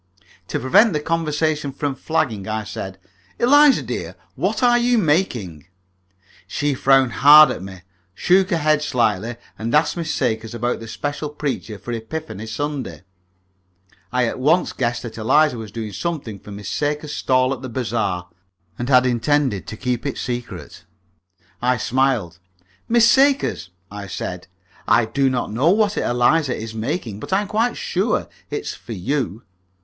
To prevent the conversation from flagging, I said, "Eliza, dear, what are you making?" She frowned hard at me, shook her head slightly, and asked Miss Sakers about the special preacher for Epiphany Sunday. I at once guessed that Eliza was doing something for Miss Sakers' stall at the bazaar, and had intended to keep it secret. I smiled. "Miss Sakers," I said, "I do not know what Eliza is making, but I am quite sure it is for you."